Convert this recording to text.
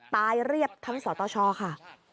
เรียบทั้งสตชค่ะ